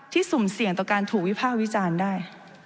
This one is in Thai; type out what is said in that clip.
สุ่มเสี่ยงต่อการถูกวิภาควิจารณ์ได้